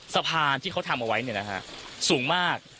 สะพานที่เค้าทำเอาไว้เนี่ยนะฮะสูงมาก